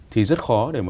thì rất khó